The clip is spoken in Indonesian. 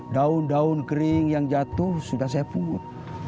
daun daun kering yang jatuh sudah saya pungut